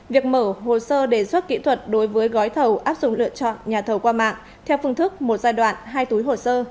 việc mở hồ sơ đề xuất kỹ thuật đối với gói thầu áp dụng lựa chọn nhà thầu qua mạng theo phương thức một giai đoạn hai túi hồ sơ